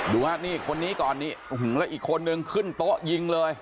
นี่คนนี้ก่อนนี่แล้วอีกคนนึงขึ้นโต๊ะยิงเลย